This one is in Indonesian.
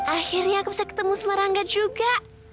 akhirnya aku bisa ketemu semarangga juga